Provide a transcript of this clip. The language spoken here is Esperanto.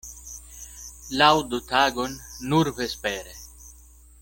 Laŭdu tagon nur vespere.